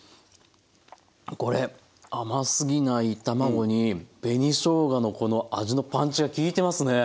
これ甘すぎない卵に紅しょうがのこの味のパンチがきいてますね。